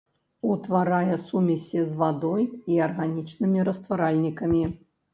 Утварае сумесі з вадой і арганічнымі растваральнікамі.